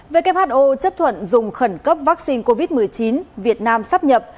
who chấp thuận dùng khẩn cấp vaccine covid một mươi chín việt nam sắp nhập